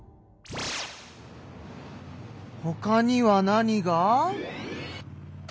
ほかには何が。